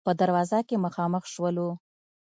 په دروازه کې مخامخ شولو.